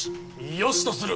よしとする！